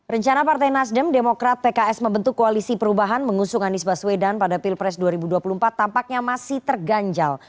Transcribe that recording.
rencana partai nasdem demokrat pks membentuk koalisi perubahan mengusung anies baswedan pada pilpres dua ribu dua puluh empat tampaknya masih terganjal